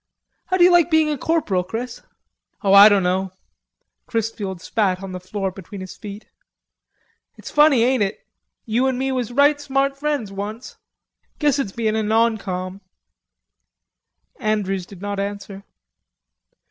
How d'you like being a corporal, Chris?" "O, Ah doan know." Chrisfield spat on the floor between his feet. "It's funny, ain't it? You an' me was right smart friends onct.... Guess it's bein' a non com." Andrews did not answer.